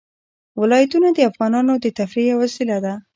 ولایتونه د افغانانو د تفریح یوه وسیله ده.